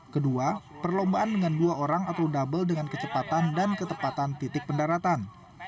kedua perlombaan dengan dua orang atau double dengan kecepatan dan ketepatan titik pendaratan